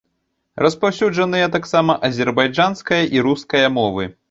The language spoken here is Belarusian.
Распаўсюджаныя таксама азербайджанская і руская мовы.